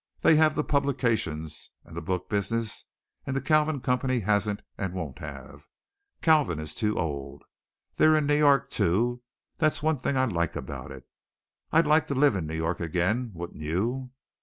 They have the publications and the book business, and the Kalvin Company hasn't and won't have. Kalvin is too old. They're in New York, too; that's one thing I like about it. I'd like to live in New York again. Wouldn't you?"